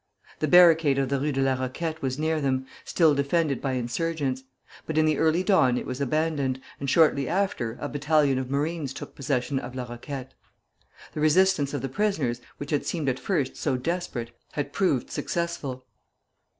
The barricade of the Rue de la Roquette was near them, still defended by insurgents; but in the early dawn it was abandoned, and shortly after, a battalion of marines took possession of La Roquette. The resistance of the prisoners, which had seemed at first so desperate, had proved successful.